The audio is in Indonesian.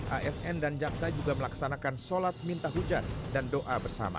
asn dan jaksa juga melaksanakan sholat minta hujan dan doa bersama